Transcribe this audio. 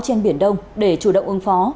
trên biển đông để chủ động ứng phó